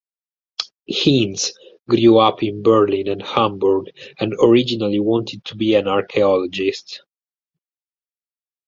Hinz grew up in Berlin and Hamburg and originally wanted to be an archaeologist.